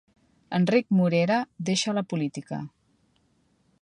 Enric Morera deixa la política